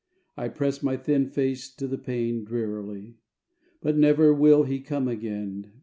I press my thin face to the pane, Drearily; But never will he come again.